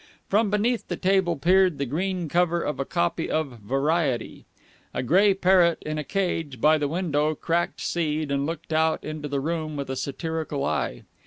From beneath the table peered the green cover of a copy of Variety. A grey parrot in a cage by the window cracked seed and looked out into the room with a satirical eye.